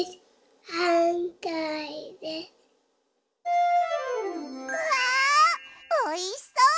うわおいしそう！